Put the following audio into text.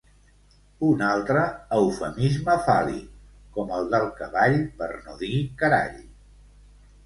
Un altre eufemisme fàl·lic com el del cavall per no dir carall.